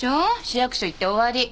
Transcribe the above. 市役所行って終わり。